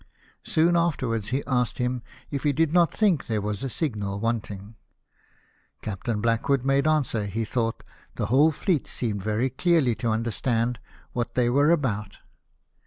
Soon afterwards he asked him if he did not think there was a signal wanting. Captain Blackwood made answer that he thought the whole fleet seemed very clearly to understand what they were about.